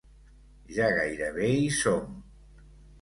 Ja gairebé hi som.